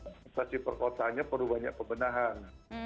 administrasi perkotanya perlu banyak pembendahan